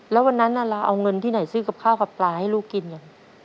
แล้ววันนั้นเราเอาเงินที่ไหนซื้อกับข้าวกับปลาให้ลูกกินกัน